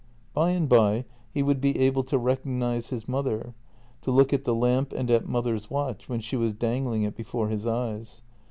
By and by he would be able to recognize his mother, to look at the lamp and at mother's watch when she was dangling it before his eyes.